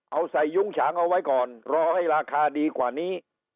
เอาใส่ยุ้งฉางเอาไว้ก่อนรอให้ราคาดีกว่านี้